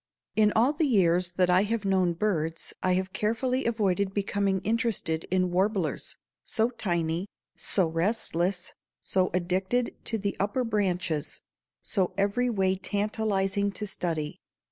In all the years that I have known birds I have carefully avoided becoming interested in warblers, so tiny, so restless, so addicted to the upper branches, so every way tantalizing to study.